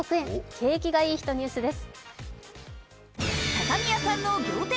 景気がイイ人ニュースです。